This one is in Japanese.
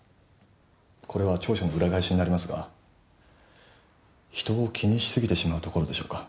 これは長所の裏返しになりますが人を気にし過ぎてしまうところでしょうか。